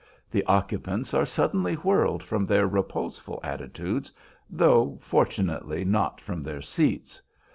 The occupants are suddenly whirled from their reposeful attitudes, though, fortunately, not from their seats.